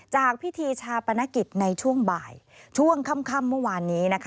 จากพิธีชาปนกิจในช่วงบ่ายช่วงค่ำเมื่อวานนี้นะคะ